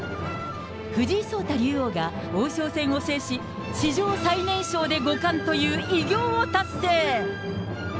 藤井そうた竜王が王将戦を制し、史上最年少で五冠という偉業を達成。